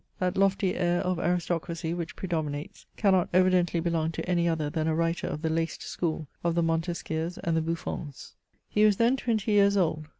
That lofty air of aristocracy which predominates, cannot evidently belong to any other than a writer of the laced school of the Montesquieus and the Buffons. He was then twenty years old.